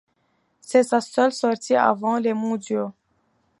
C'est sa seule sortie avant les mondiaux.